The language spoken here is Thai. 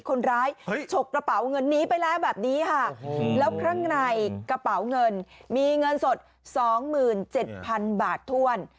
คนร้ายฉกกระเป๋าเงินนี้ไปแล้วแบบนี้ค่ะแล้วข้างในกระเป๋าเงินมีเงินสดสองหมื่นเจ็ดพันบาทถ้วน